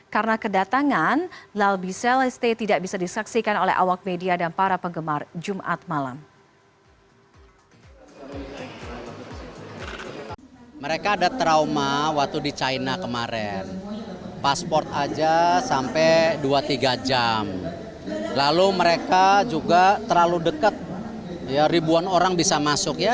karena kedatangan lal b celeste tidak bisa disaksikan oleh awak media dan para penggemar jumat malam